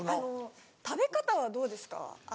食べ方はどうですか？